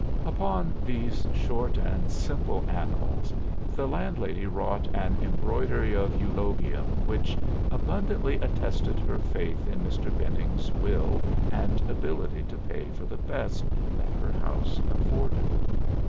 Upon these short and simple annals the landlady wrought an embroidery of eulogium which abundantly attested her faith in Mr. Benning's will and ability to pay for the best that her house afforded.